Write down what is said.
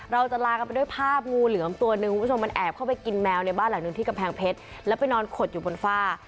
เราจะลากันไปด้วยภาพงูเหลือมตัวหนึ่งคุณผู้ชมมันแอบเข้าไปกินแมวในบ้านหลังหนึ่งที่กำแพงเพชรแล้วไปนอนขดอยู่บนฝ้า